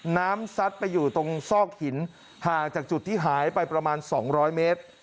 ซัดไปอยู่ตรงซอกหินห่างจากจุดที่หายไปประมาณ๒๐๐เมตร